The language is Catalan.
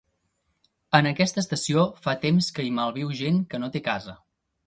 En aquesta estació fa temps que hi malviu gent que no té casa.